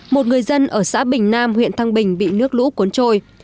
một người dân ở xã bình nam huyện thăng bình bị nước lũ cuốn trôi